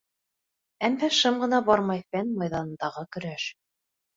Әммә шыма ғына бармай фән майҙанындағы көрәш.